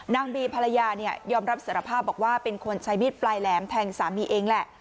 นางบีภรรยายอมรับสารภาพบอกว่าเป็นคนใช้มีดปลายแหลมแทงสามีเองแหละ